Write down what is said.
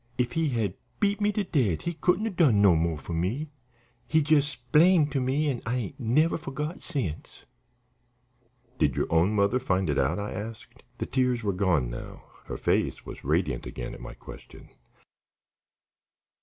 If he had beat me to death he couldn't 'a' done no mo' for me. He jes' splained to me an' I ain't never forgot since." "Did your own mother find it out?" I asked. The tears were gone now; her face was radiant again at my question.